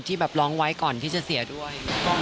แบบร้องไว้ก่อนที่จะเสียด้วย